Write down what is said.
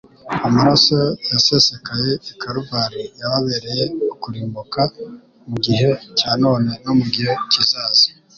Amaraso yasesekaye i Kaluvari yababereye ukurimbuka mu gihe cya none no mu gihe kizaza.